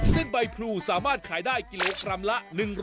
เส้นใบพลูสามารถขายได้กิโลกรัมละ